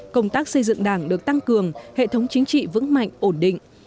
công tác xây dựng đảng được tăng cường hệ thống chính trị vững mạnh ổn định